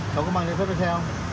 không giấy phép lái xe